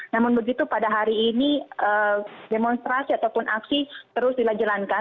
namun begitu pada hari ini demonstrasi ataupun aksi terus dilanjalankan